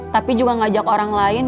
tapi juga ngajak orang lain